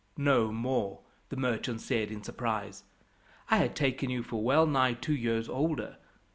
"No more!" the merchant said in surprise. "I had taken you for well nigh two years older.